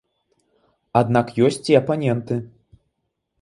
Аднак ёсць і апаненты.